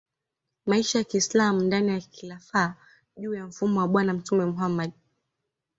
maisha ya Kiislamu ndani ya Khilafah juu ya mfumo wa bwana Mtume Muhammad